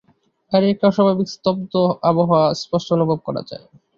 বাড়ির একটা অস্বাভাবিক স্তব্ধ আবহাওয়া স্পষ্ট অনুভব করা যায়।